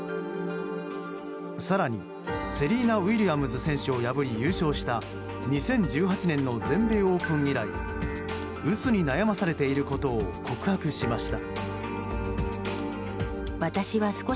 更にセリーナ・ウィリアムズ選手を破り優勝した２０１８年の全米オープン以来うつに悩まされていることを告白しました。